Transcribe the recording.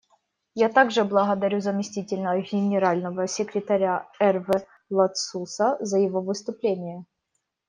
Я также благодарю заместителя Генерального секретаря Эрве Ладсуса за его выступление.